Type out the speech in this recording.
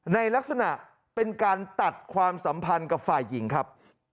ในลักษณะเป็นการตัดความสัมพันธ์กับฝ่ายหญิงครับ